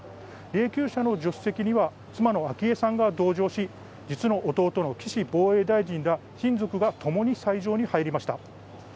霊柩車の助手席には妻の昭恵さんが同乗し、実の弟の岸防衛大臣ら親族がともに斎場に入りました。